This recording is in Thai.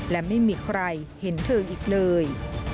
และไม่มีใครเห็นเธออีกเลย